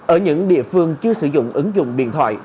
ở những địa phương chưa sử dụng ứng dụng điện thoại